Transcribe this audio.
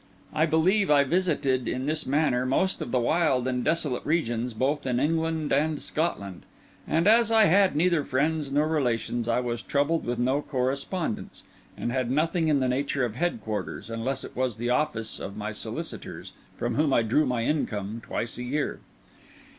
I believe I visited in this manner most of the wild and desolate regions both in England and Scotland; and, as I had neither friends nor relations, I was troubled with no correspondence, and had nothing in the nature of headquarters, unless it was the office of my solicitors, from whom I drew my income twice a year.